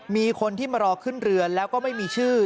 มีคนที่มารอขึ้นเรือแล้วก็ไม่มีชื่อ